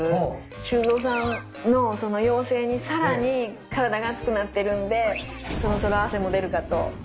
修造さんの陽性にさらに体が熱くなってるんでそろそろ汗も出るかと。